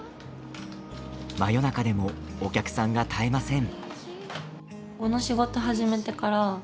真夜中でもお客さんが絶えません。